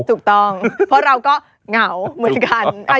ถูกต้องเพราะเราก็เหงาเหมือนกัน